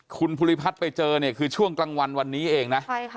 คุณภูริพัฒน์ไปเจอเนี่ยคือช่วงกลางวันวันนี้เองนะ